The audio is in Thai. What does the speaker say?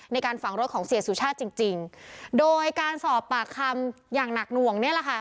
ในการฝังรถของเสียสุชาติจริงจริงโดยการสอบปากคำอย่างหนักหน่วงเนี่ยแหละค่ะ